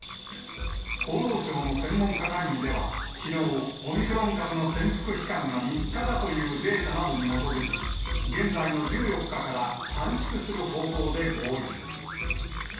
厚労省の専門家会議では、きのう、オミクロン株の潜伏期間が３日だというデータなどに基づき、現在の１４日から短縮する方向で合意。